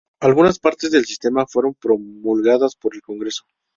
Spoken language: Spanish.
Algunas partes del sistema fueron promulgadas por el Congreso.